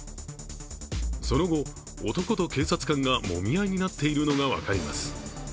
その後、男と警察官がもみ合いになっているのが分かります。